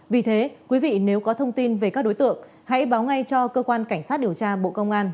vì thế quý vị nếu có thông tin về các đối tượng hãy báo ngay cho cơ quan cảnh sát điều tra bộ công an